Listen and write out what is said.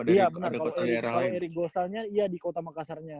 iya bener kalo erik gosalnya iya di kota makassarnya